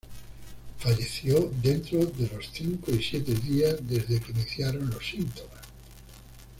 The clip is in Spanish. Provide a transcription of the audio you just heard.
Falleció dentro de los cinco y siete días desde que iniciaron los síntomas.